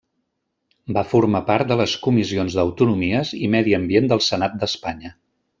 Va formar part de les comissions d'autonomies i medi ambient del Senat d'Espanya.